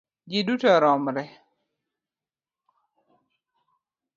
Ji duto romre.